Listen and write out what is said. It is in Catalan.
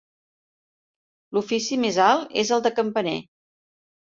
L'ofici més alt és el de campaner.